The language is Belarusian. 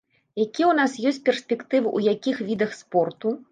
Якія ў нас ёсць перспектывы ў якіх відах спорту?